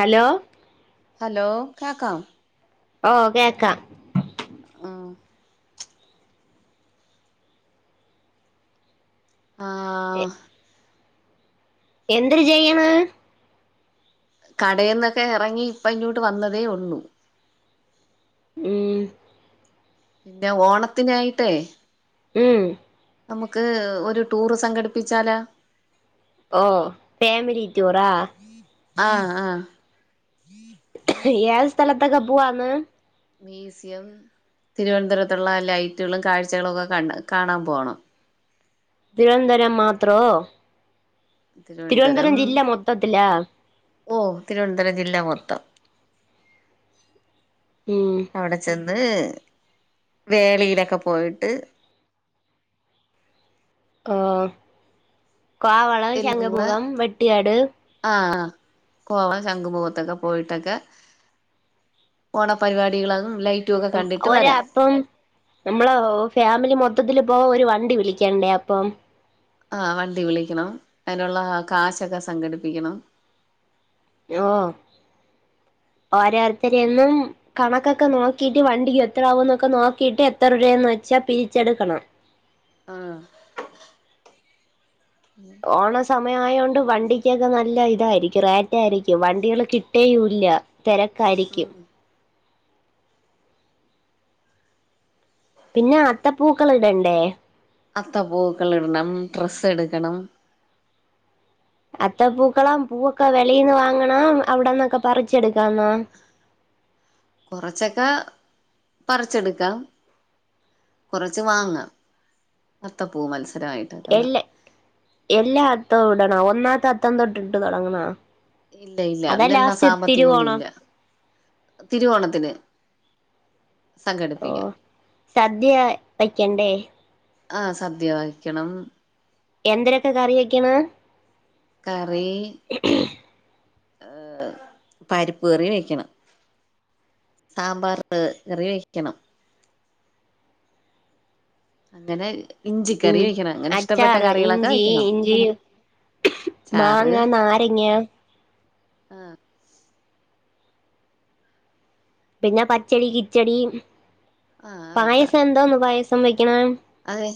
Hello hello കേക്കാം ഓഹ് കേക്കാം ഉം ആഹ് എന്ത്ര് ചെയ്യണ കടന്നൊക്കെ ഇറങ്ങി ഇപ്പ ഇങ്ങോട്ട് വന്നതേ ഉള്ളൂ ഉം പിന്നെ ഓണത്തിനായിട്ടേ ഉം നമുക്ക് ഒരു ടൂറ് സംഘടിപ്പിച്ചാലാ ഓഹ ഫേമിലി ടൂർ ആഹ് ആഹ് ഏത് സ്ഥലത്തൊക്കെ പോവാന്ന് മ്യൂസിയം തിരുവനന്തരത്തുള്ള ലൈറ്റുകളും കാഴ്ചകളും ഒക്കെ കണ്ട കാണാൻ പോകണം തിരുവനന്തരം മാത്രോ തിരുവനന്തപുരം ജില്ല മൊത്തത്തില ഓഹ് തിരുവനന്തപുര ജില്ല മൊത്തം ഉം അവിടെ ചെന്ന് വേളയിലൊക്കെ പോയിട്ട്. ഓ കോവളം എല്ലാം കൂടെ 'ചങ്കമുഖം' വെട്ടിയാട് ആഹ് കോവാ ശംഖുമുഖത്തൊക്കെ പോയിട്ടൊക്കെ ഓണ പരിപാടികളാകും ലൈറ്റ് ഒരാകും നമ്മള് ഫാമിലി മൊത്തത്തില് പോവാ ഒരു വണ്ടി വിളിക്കണ്ടേ അപ്പം ആഹ് വണ്ടി വിളിക്കണം അതിനുള്ള കാശൊക്കെ സംഘടിപ്പിക്കണം ഓ ഓരോരുത്തരിന്നും കണക്കൊക്കെ നോക്കിട്ട് വണ്ടിക്ക് എത്ര ആവന്നൊക്കെ നോക്കിട്ട് എത്ര രൂപയന്ന് വെച്ചാൽ പിരിച്ചെടുക്കണം. ആഹ് ഓണ സമയമായൊണ്ട് വണ്ടിക്കൊക്കെ നല്ല ഇതായിരിക്കും റേറ്റ് ആയിരിക്കും വണ്ടികള് കിട്ടുകല്ല തെരക്കായിരിക്കും പിന്നെ അത്തപ്പൂക്കളം ഇടണ്ടേ അത്തപ്പൂക്കള്ളം ഇടണം ട്രെസ്സ് എടുക്കണം അത്ത പൂക്കളം പൂവൊക്കെ വെളീന്ന് വാങ്ങണം അവിടന്നൊക്കെ പറിച്ചെടുക്കാന്നോ കൊറച്ചൊക്കെ പറിച്ചെടുക്കാം കൊറച്ച് വാങ്ങാം അത്തപ്പൂ മത്സരമായിട്ട് വെക്കുന്ന എല്ലാ എല്ല അത്തോ ഇടണാ ഒന്നാത്തെ അത്തം തൊട്ട് ഇട്ട് തൊടങ്ങാണോ ഇല്ല ഇല്ല അതിനെല്ലാം സാമ്പത്തികൊന്നുല്ല തിരുവോണത്തിന് ഓ സംഘടിപ്പിക്കാം സദ്യ വയ്ക്കണ്ടേ ആഹ് സദ്യ വഹിക്കണം എന്തരൊക്കെ കറി വെക്കാണ് കറി ഏ പരിപ്പ് കറി വെക്കണം സാമ്പാർപ്പ് കറി വെക്കണം അങ്ങനെ ഇഞ്ചിക്കറി ഉം വെക്കണം അങ്ങനെ ഇഷ്ടപ്പെട്ട അച്ചാറ് കറികളൊക്കെ ഇഞ്ചി വെക്കണം ഇഞ്ചി ചാറ് മാങ്ങ നാരങ്ങ ആഹ് പിന്നെ പച്ചടി, കിച്ചടി, ആഹ് അതൊക്കെ പായസം എന്തോന്ന് പായസം വെക്കണ് അതെ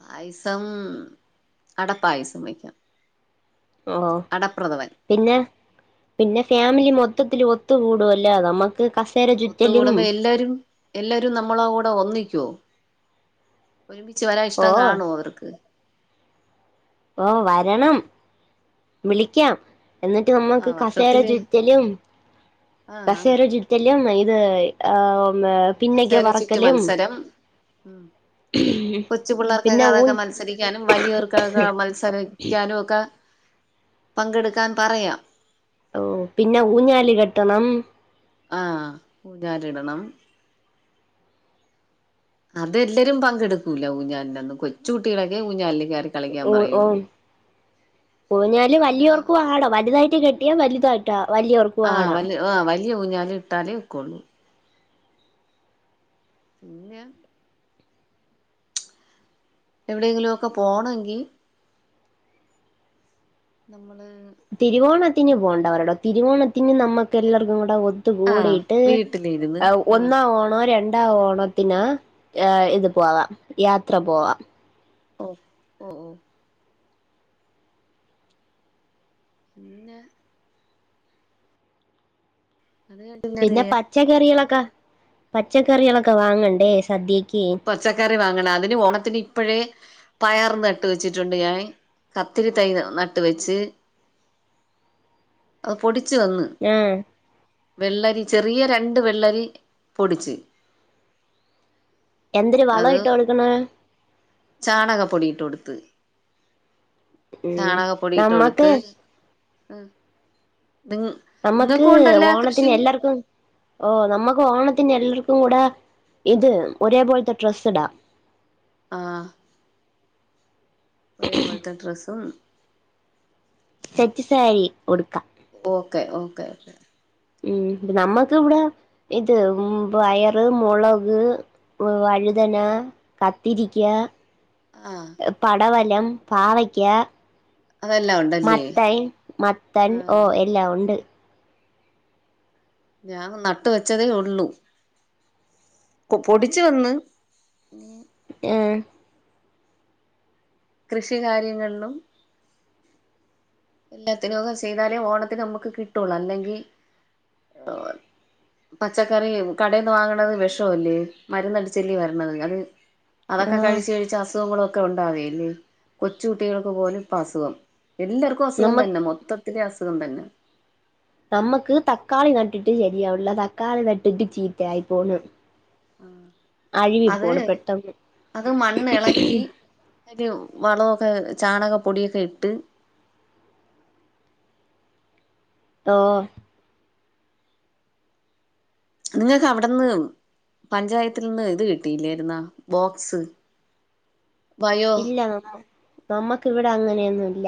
പായസം അട പായസം വയ്ക്കാം ഓ അടപ്രഥമൻ പിന്നെ പിന്നെ ഫാമിലി മൊത്തത്തില് ഒത്ത് കൂടോല്ലോ നമ്മക്ക് ക്ക്, കസേര ചുറ്റലും ഒത്തുകൂടുമ്പോ എല്ലാരും എല്ലാരും നമ്മളെ കൂടെ ഒന്നിക്കോ ഒരുമിച്ച് വരാൻ ഓ ഇഷ്ടം കാണുവോ അവർക്ക് ഓ വരണം വിളിക്കാം എന്നിട്ട് നമ്മുക്ക് ആഹ് കസേര വർഷത്തില് ചുറ്റലും ആഹ് ആഹ് കസേര ചുറ്റു- റ്റലും ഇത് ഏ ഓമേ പിന്നക്ക് പറക്കലും ഉ കൊച്ചു പിള്ളേർക്കൊക്കെ പിന്നെ ഊ അതൊക്കെ മത്സരിക്ക- ക്കനും വലിയവർകൊക്കെ മത്സരിക്കാനും ഒക്കെ പങ്കെടുക്കാൻ പറയാം ഓ പിന്നെ ഊഞ്ഞാൽ കെട്ടണം ആഹ് ഊഞ്ഞാൽ ഇടണം അതെല്ലരും പങ്കെടുക്കൂല്ല ഊഞ്ഞാലിന്റെന്ന് കൊച്ച് കുട്ടികളൊക്കെ ഊഞ്ഞാലിൽ കേറി ഓ ഓ ഊഞ്ഞാല് പിന്നെ വലിയോർക്കും ആടം വലുതായിട്ട് കെട്ട ട്ടിയ വലുതാടട്ടാ വലിയൊ ആഹ് വല് ആഹ് വലിയ ഊഞ്ഞാൽ ഇട്ടാലേ ഒക്കൊള്ളൂ പിന്നെ എവിടെങ്കിലൊക്കെ പോണോങ്കി നമ്മള് തിരുവോണത്തിന് പോണ്ട അവരോടോ തിരുവോണത്തിന് നമ്മുക്ക് എല്ലർക്കും കു‌ടെ ഒ ഒത്തു ആഹ് കൂടിട്ട് വീട്ടിലിരുന്ന് ആവൂ ആഹ് ഒന്നാ ഓണം രണ്ടാം ഓണം പിന്നെ ഏ ഇത് പോവാം യാത്ര പോവാം ഓ പിന്നെ അത് കഴിഞ്ഞിന്നത് പിന്നെ പച്ചക്കറികളൊക്കെ പച്ചക്കറികളൊക്കെ വാങ്ങണ്ടേ സദ്യക്ക് പച്ചക്കറി വാങ്ങണം അതിന് ഓണത്തിന് ഇപ്പഴേ പയർ നട്ട് വെച്ചിട്ടുണ്ട് ഞാന് കത്തിരി തൈ നട്ട് വെച്ച് അത് പൊടിച്ച് തന്ന് [unintelligible] വെള്ളരി ചെറിയ രണ്ട് വെള്ളരി പൊടിച്ച് എന്തൊരു വളം ഇട്ട് കൊട്ക്ക്ണ് ചാണക പൊടിയിട്ട് കൊടുത്ത് ഉം ചാണക പൊടിട്ട് നമ്മക്ക് കൊട്ത്ത് ഉം നി നമ്മക്ക് ഓണത്തിന് എല്ലാർക്കും ഓ നമ്മക്ക് ഓണത്തിന് എല്ലാർക്കും കൂടെ ഇത് ഒരേ പോൽത്തെ ട്രെസ്സ്ടാ ആ ഒരേപോൽത്തെ ഡ്രസ്സും സെറ്റ്സാരി ഉട്ക്കാ ഓക്കെ ഓക്കെ ഉം നമ്മക്ക് വടെ ഇത് പയറ്, മൊളക് വഴുതന, കത്തിരിക്ക ആ പടവലം, പാവയ്ക്ക അതെല്ലാം ഉണ്ടല്ലേ മത്തൻ മത്തൻ ഓ ആഹ് എല്ലാഒണ്ട് ഞാനും നട്ട് വെച്ചതേ ഒള്ളു പ്പൊ പൊടിച്ച് വന്ന് ഏ കൃഷി കാര്യങ്ങളിലും എല്ലാത്തിനൊക്കെ ചെയ്താലേ ഓണത്തിന് നമുക്ക് കിട്ടൊള്ളൂ അല്ലെങ്കി പച്ചക്കറി കടേന്ന് വാങ്ന്നത് വെഷല്ലേ മരുന്നടിച്ചല്ലെ വരണത് അത് അതൊക്കെ ആഹ് കഴിച്ച് കഴിച്ച് അസുഖങ്ങള ക്കെ ഒണ്ടാവല്ലേ കൊച്ചു കുട്ടികൾക്ക് പോലും ഇപ്പസുഖം എല്ലാർക്കും അസുഖം നമ്മക്ക് തന്നെ മൊത്ത ത്തില് അസുഖം തന്നെ നമ്മക്ക് തക്കാളി നട്ട്ട്ട് ശരിയാവിൺല്ല തക്കാളി നട്ട്ട്ട് ചീത്തായി പോന്ന് ആ അഴ്കി പോണ് പെട്ടെന്ന് അത് മണ്ണ് എളക്കി ഒരു വളൊക്കെ ചാണക പൊടിയൊക്കെ ഇട്ട് ഓ നിങ്ങക്ക് അവട്ന്ന് പഞ്ചായത്തിൽ നിന്ന് ഇത് കിട്ടില്ലേര്ന്നോ ബോക്സ് ബയോ ഇല്ല നമ്മ നമ്മക്കിവടെ അങ്ങനൊന്നുല്ല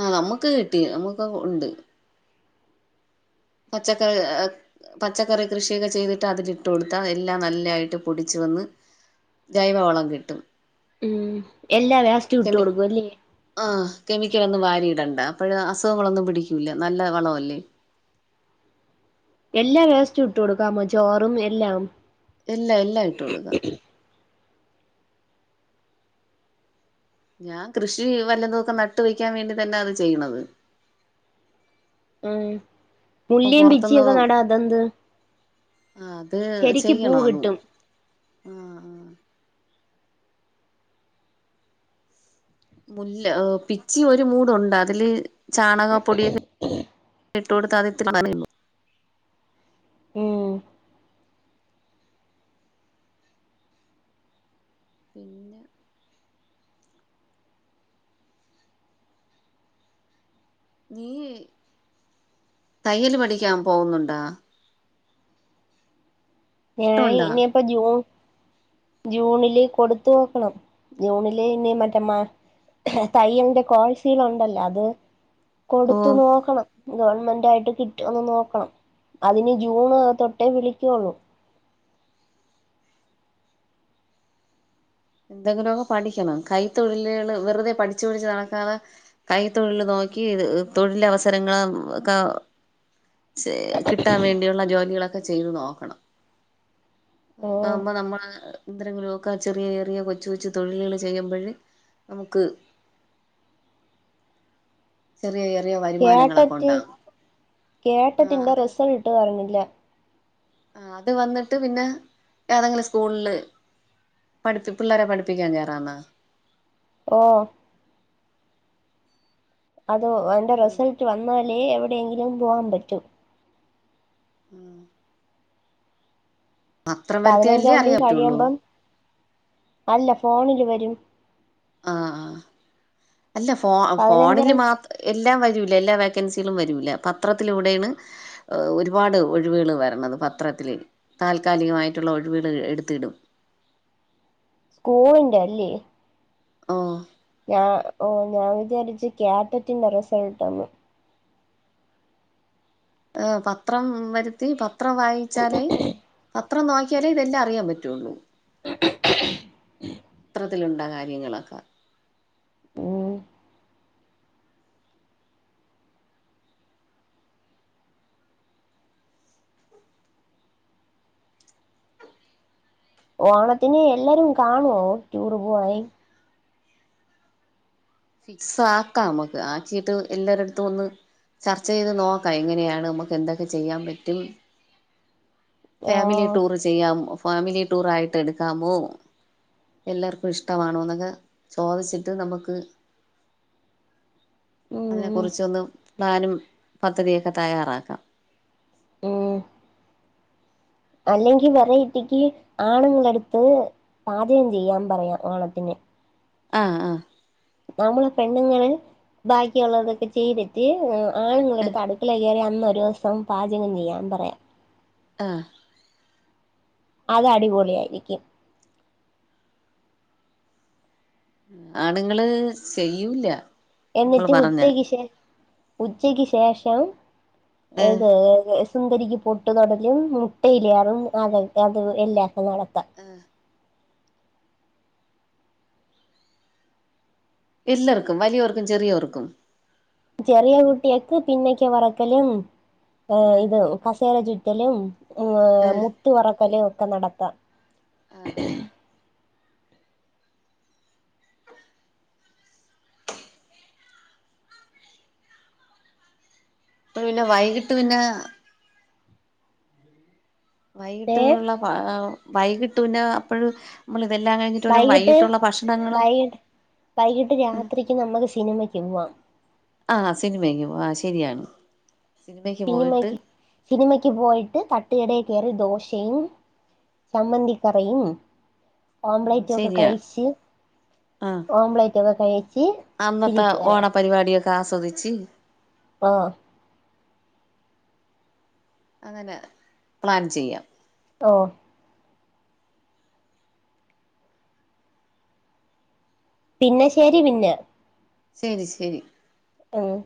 ആ നമ്മക്ക് കിട്ടി നമ്മക്കൊക്കെ ഒണ്ട് [unintelligible] പച്ചക്കറി കൃഷിയൊക്കെ ചെയ്തിട്ട് അതിലിട്ട് കൊട്ത്താ എല്ലാം നല്ലതായിട്ട് പൊടിച്ച് വന്ന് ജൈവവളം കിട്ടും ഉം എല്ലാ വേസ്റ്റും ഇട്ട് കെമി കൊടുക്കും അല്ലേ ആ കെമിക്കലൊന്നും വാരി ഇടണ്ട അപ്പഴാ അസുഖങ്ങളൊന്നും പിടിക്കൂല്ല നല്ല വളല്ലേ എല്ലാ വേസ്റ്റും ഇട്ട് കൊടുക്കാമോ ചോറും എല്ലാം എല്ലാ എല്ലാ ഇട്ട് കൊട്ക്കാ ഞാൻ കൃഷി വല്ലതൊക്കെ നട്ട് വെക്കാൻ വേണ്ടി തന്ന അത് ചെയ്യ്ണത് ഉം അപ്പൊ പുല്ലിം പുറത്തുന്ന് പിച്ചിയൊക്കെ നടാ തെന്ത് ആ അത് പൂ ചെയ്യണതും കിട്ടും ആ ആ മുല്ല പിച്ചി ഒരു മൂട്ണ്ട് അതില് ചാണകപ്പൊടിയൊക്കെ ഇട്ടുക കൊടുത്താത് ഇത്തിരി നനയുള്ളൂ ഉം പിന്നെ നീ തയ്യൽ പഠിക്കാൻ പോകുന്നുണ്ട ഞാൻ ഇഷ്ടമുണ്ടാ ഇനിപ്പൊ ജൂ ജൂണില് കൊടുത്ത വെക്കണം ജൂണില് ഇനി മറ്റ മ തയ്യൽന്റെ കോഴ്സൽ ഉണ്ടല്ലോ അത് ഓ കൊടുത്തു നോക്കണം ഗവണ്മെന്റ് ആയിട്ട് കിട്ട ഒന്ന് നോക്കണം അതിന് ജൂണ് തൊട്ടേ വിളിക്കുള്ളൂ എന്തെങ്കിലുമൊക്കെ പഠിക്കണം കൈത്തൊഴിലുകള് വെറുതെ പഠിച്ചു പിടിച്ച് നടക്കാതെ കൈ തൊഴിൽ നോക്കി തൊഴില അവസരങ്ങള ഒക്ക കിട്ടാൻ വേണ്ടിയുള്ള ജോലികളൊക്കെ ചെയ്തു നോക്കണം ഉം അതാകുമ്പോ നമ്മള് എന്തെങ്കിലും ഒക്കെ ചെറിയ ചെറിയ കൊച്ചു കൊച്ചു തൊഴിലുകൾ ചെയ്യുമ്പോഴ നമുക്ക് ചെറിയ ചെറിയ വരുമാനങ്ങളൊക്കെ ഉണ്ടാകും ആ കേട്ടട്ടിന്റെ അത് റിസൾട്ട് പറഞ്ഞില്ല ആഹ് അത് വന്നിട്ട് പിന്നെ ഏതെങ്കിലും സ്കൂൾല് പഠിപ്പി പിള്ളേരെ പഠിപ്പിക്കാൻ കേറാന്നാ ഓ അതോ അയ്‌ന്റെ റിസൾട്ട് വന്നാലേ എവിടെയെങ്കിലും പോകാൻ പറ്റൂ ഉം പത്രം വരുത്തിയാലല്ലേ പതിനഞ്ചാം അറിയാൻ തീയതി പറ്റുള്ളൂ കഴിയുമ്പം അല്ല ഫോണില് വരും ആഹ് ആഹ് അല്ല ഫോ ഫോണില് പതിനഞ്ചാം മാത്ര എല്ലാം വരില്ല എല്ലാ വോക്കൻസികളും വരിമല്ല പത്രത്തിലൂടൊണ് അ് ഒരുപാട് ഒഴിവുകൾ വരണത് പത്രത്തില് താൽക്കാലികമായിട്ടുള്ള ഒഴിവുകൾ എടുത്തിടും [unintelligible] ന്റെല്ലേ ആഹ് ഞാ ഓ ഞാൻ വിചാരിച്ച് കാറ്ററ്റിന്റെ റിസൾട്ട്ന്ന് പത്രം വരുത്തി പത്രം വായിച്ചാലേ പത്രം നോക്കി നോക്കിയാലേ ഇതെല്ലാം അറിയാൻ പറ്റുള്ളൂ ഇത്രത്തിലുണ്ട കാര്യങ്ങളൊക്കെ ഉം ഓണത്തിന് എല്ലാരും കാണുവോ ടൂർ പൂവാൻ ഫിക്സ് ആക്കാം നമുക്ക് ആക്കിട്ട് എല്ലരു അടുത്തും ഒന്ന് ചർച്ച ചെയ്ത് നോക്കാം എങ്ങനെയാണ് നമുക്ക് എന്തൊക്കെ ചെയ്യാൻ പറ്റും ഫാമിലി ആഹ് ടൂർ ചെയ്യാമോ ഫാമിലി ടൂർ ആയിട്ട് എടുക്കാമോ എല്ലാവർക്കും ഇഷ്ടമാണോ എന്നൊക്കെ ചോദിച്ചിട്ട് നമുക്ക് അതിനെ ഉം കുുറിച്ചൊന്ന് പ്ലാനും പദ്ധതിയൊക്കെ തയ്യാറാക്കാം ഉം അല്ലെങ്കിൽ വെറൈറ്റിക്ക് ആണുങ്ങൾടുത്ത് പാചകം ചെയ്യാൻ പറയാം ഓണത്തിന് ആഹ് ആഹ് നമ്മള് പെണ്ണുങ്ങൾ ബാക്കിയുള്ളതൊക്കെ ചെയ്തിട്ട് ആണുങ്ങൾടടുത്ത് ഏ അടുത്ത് അടുക്കിള കയറി അന്ന് ഒരു ദിവസം പാചകം ചെയ്യാൻ പറയാം ആഹ് അത് അടിപൊളി ആയിരിക്കും ആണുങ്ങള് ചെയ്യൂല്ല എന്നിട്ട് ഉച്ചക്ക് ശേ ഉച്ചക്ക് ശേഷം ഏ ഏത് സുന്ദരിക്ക് പൊട്ട് തൊടലും മുട്ടയിലേ അതും അത് എല്ലാം നടത്താം ആഹ് എല്ലാവർക്കും വലിയവർക്കും ചെറിയവർക്കും ചെറിയ കുട്ടിയക്ക് പിന്നക്ക വറക്കലും അഹ് ഏ ഇത് കസേര ചുറ്റലും ഏ ഏഹ് മുത്തുപെറക്കലും ഒക്കെ നടത്താം ആഹ് ആഹ് അപ്പപിന്നെ വൈകിട്ട് പിന്നെ ഏ വൈകിട്ട് ഉള്ള വൈകിട്ട് പിന്നെ അപ്പഴ് നമ്മള് ഇതെല്ലാം കഴിഞ്ഞിട്ട് ഒരു വൈകിട്ട് വൈകീട്ട് ഒള്ള ഭക്ഷണങ്ങളൊ വൈകിട്ട് വൈകിട്ട് രാത്രിക്ക് നമ്മക്ക് സിനിമയ്ക്ക്പോവാം ആഹ് സിനിമക്ക് പോ ആ ശരിയാണ് സിനിമയ്ക്ക് പോയിട്ട് സിനിമക്ക് സിനിമക്ക് പോയിട്ട് തട്ടുകടേൽ കേറി ദോശയും ചമ്മന്തിക്കറിയും ആ ഓംലറ്റും ഒക്കെ ശരിയാ കഴിച്ച് ആ ഓംലറ്റ് ഒക്കെ കഴിച്ച് തിരി അ ഓണപരിപാടിയൊക്കെ ആസ്വദിച്ച് ആഹ് അങ്ങനെ പ്ലാൻ ചെയ്യാം ഓ പിന്നെ ശരി പിന്നെ ശരി ശരി ആഹ്